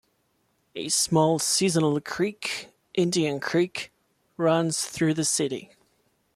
A small seasonal creek, Indian Creek, runs through the city.